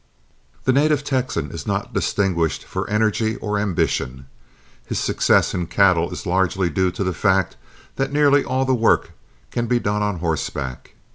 The native Texan is not distinguished for energy or ambition. His success in cattle is largely due to the fact that nearly all the work can be done on horseback.